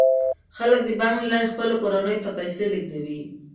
خلک د بانک له لارې خپلو کورنیو ته پیسې لیږدوي.